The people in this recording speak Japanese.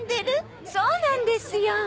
そうなんですよ。